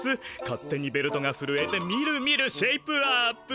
勝手にベルトがふるえてみるみるシェイプアップ。